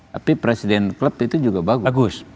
tapi presiden klub itu juga bagus